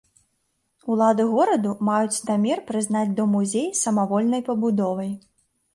Улады гораду маюць намер прызнаць дом-музей самавольнай пабудовай.